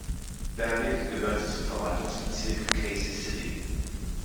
Berwick gehört zum Verwaltungsbezirk Casey City.